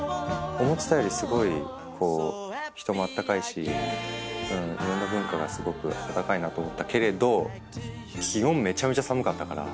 思ってたよりすごい人も温かいしいろんな文化がすごく温かいなと思ったけれど気温めちゃめちゃ寒かったから。